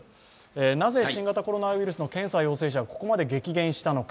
なぜ新型コロナウイルスの検査陽性者が激減したのか。